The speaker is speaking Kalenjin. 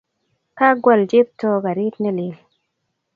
Kakwal Cheptoo garit ne lel